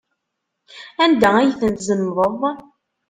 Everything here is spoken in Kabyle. Anda ay ten-tzemḍeḍ?